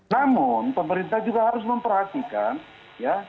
namun pemerintah juga harus memperhatikan ya